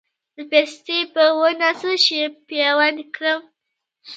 د پستې په ونه څه شی پیوند کړم؟